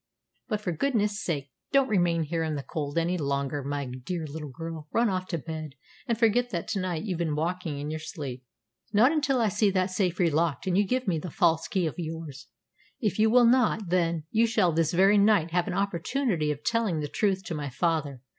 But for goodness' sake don't remain here in the cold any longer, my dear little girl. Run off to bed, and forget that to night you've been walking in your sleep." "Not until I see that safe relocked and you give me the false key of yours. If you will not, then you shall this very night have an opportunity of telling the truth to my father.